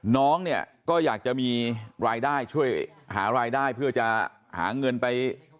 น้องเนี่ยก็อยากจะมีรายได้ช่วยหารายได้เพื่อจะหาเงินไป